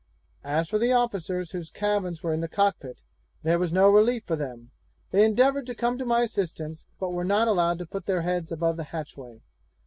'As for the officers, whose cabins were in the cockpit, there was no relief for them; they endeavoured to come to my assistance, but were not allowed to put their heads above the hatchway.'